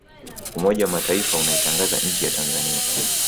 umoja wa mataifa unaitangaza nchi ya tanzania